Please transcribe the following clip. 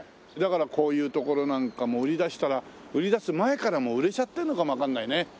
だからこういう所なんかも売り出したら売り出す前からもう売れちゃってるのかもわかんないね。